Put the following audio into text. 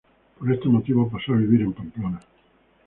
Por este motivo pasó a vivir en Pamplona.